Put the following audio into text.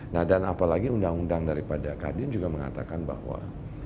nah dan apalagi undang undang daripada kadin juga mengatakan bahwa